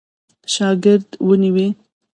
شاګرد ونیوی.